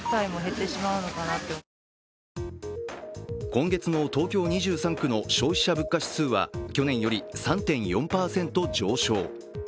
今月の東京２３区の消費者物価指数は去年より３．４％上昇。